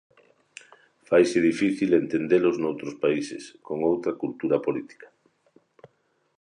Faise difícil entendelos noutros países, con outra cultura política.